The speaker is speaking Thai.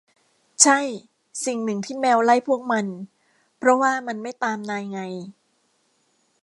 ใช่ สิ่งหนึ่งที่แมวไล่พวกมันเพราะว่ามันไม่ตามนายไง